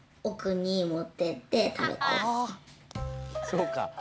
そうか。